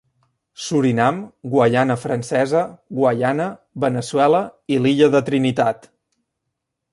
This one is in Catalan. Surinam, Guaiana Francesa, Guaiana, Veneçuela i l'illa de Trinitat.